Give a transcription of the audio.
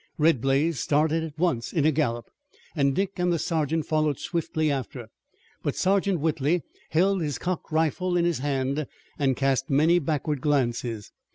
Red Blaze started at once in a gallop, and Dick and the sergeant followed swiftly after. But Sergeant Whitley held his cocked rifle in hand and he cast many backward glances.